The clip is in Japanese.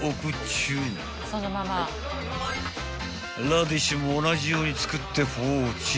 ［ラディッシュも同じように作って放置］